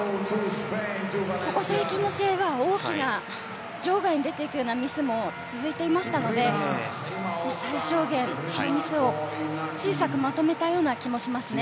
ここ最近の試合は場外に出て行くようなミスも続いていましたので最小限のミスに、小さくまとめたような気もしますね。